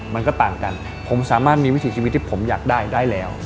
มันก็ต่างกันผมสามารถมีวิถีชีวิตที่ผมอยากได้ได้แล้ว